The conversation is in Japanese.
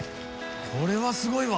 これはすごいわ。